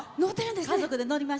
家族で乗ります。